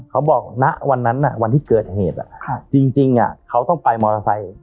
เขาบอกณวันนั้นวันที่เกิดเหตุจริงเขาต้องไปมอเตอร์ไซค์